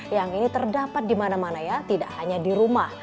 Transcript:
yang ini terdapat di mana mana ya tidak hanya di rumah